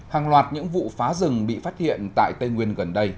hàng loạt những vụ phá rừng bị phát hiện tại tây nguyên gần đây